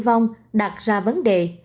tự vong đặt ra vấn đề